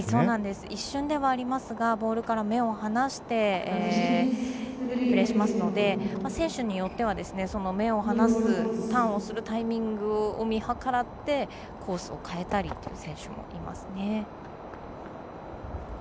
一瞬ではありますがボールから目を離してプレーしますので選手によっては、目を離すターンをするタイミングを見計らってコースを変えたりという選手もいますね。